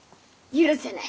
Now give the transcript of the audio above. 許せない。